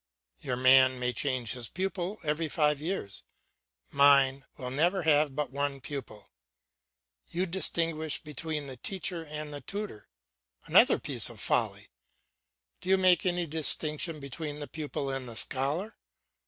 Your man may change his pupil every five years; mine will never have but one pupil. You distinguish between the teacher and the tutor. Another piece of folly! Do you make any distinction between the pupil and the scholar?